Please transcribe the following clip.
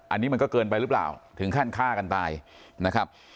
อันนี้มันก็เกินไปหรือเปล่าถึงขั้นฆ่ากันตายนะครับ